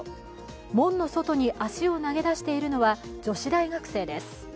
門の外に足を投げ出しているのは女子大学生です。